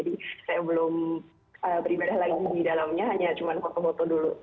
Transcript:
di dalamnya hanya cuma foto foto dulu